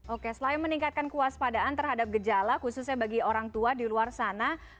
oke selain meningkatkan kewaspadaan terhadap gejala khususnya bagi orang tua di luar sana